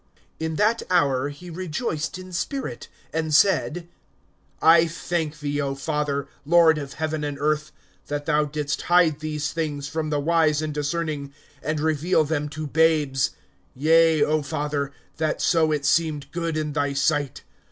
(21)In that hour he rejoiced in spirit, and said: I thank thee, O Father, Lord of heaven and earth, that thou didst hide these things from the wise and discerning, and reveal them to babes; yea, O Father, that so it seemed good in thy sight.